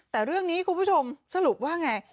แต่เรื่องนี้คุณผู้ชมสรุปว่าไง